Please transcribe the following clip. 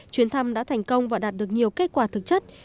chuyến thăm đã thành công và đạt được nhiều kết quả thực chất